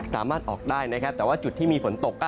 สามารถออกได้นะครับแต่ว่าจุดที่มีฝนตก